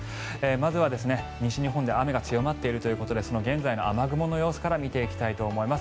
まずは西日本で雨が強まっているということでその現在の雨雲の様子から見ていきたいと思います。